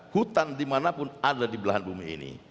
hutan dimanapun ada di belahan bumi ini